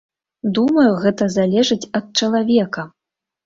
Думаю, гэта залежыць ад чалавека!